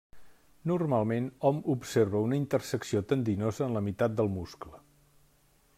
Normalment hom observa una intersecció tendinosa en la meitat del muscle.